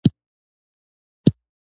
ښه چلند د وفادار پیرودونکو سبب کېږي.